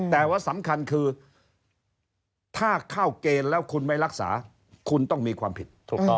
แต่ว่าสำคัญคือถ้าเข้าเกณฑ์แล้วคุณไม่รักษาคุณต้องมีความผิดถูกต้อง